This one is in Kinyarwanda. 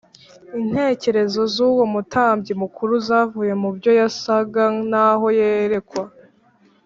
intekerezo z’uwo mutambyi mukuru zavuye mu byo yasaga n’aho yerekwa